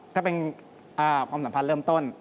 ถ้าเป็นความสัมพันธ์เริ่มต้น